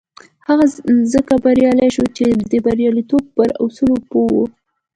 هغه ځکه بريالی شو چې د برياليتوب پر اصولو پوه و.